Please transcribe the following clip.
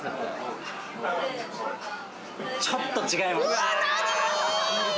ちょっと違います。